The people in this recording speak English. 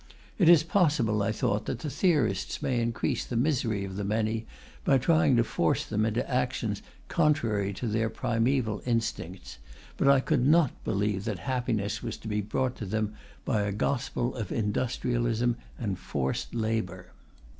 It is possible, I thought, that the theorists may increase the misery of the many by trying to force them into actions contrary to their primeval instincts, but I could not believe that happiness was to be brought to them by a gospel of industrialism and forced labour.